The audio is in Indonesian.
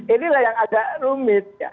ini yang agak rumit